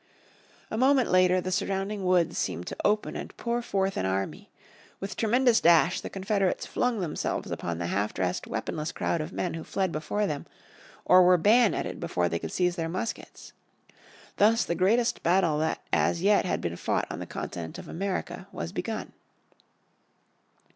A moment later the surrounding woods seemed to open and pour forth an army. With tremendous dash the Confederates flung themselves upon the half dressed, weaponless crowd of men who fled before them, or were bayoneted before they could seize their muskets. Thus the greatest battle that as yet had been fought on the continent of America was begun.